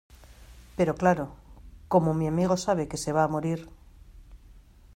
pero claro, como mi amigo sabe que se va a morir...